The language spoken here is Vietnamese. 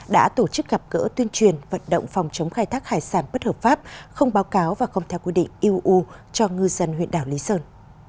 đã tổ chức gặp cỡ tuyên truyền vận động phòng chống khai thác hải sản bất hợp pháp không báo cáo và không theo quy định uuu cho ngư dân huyện đảo lý sơn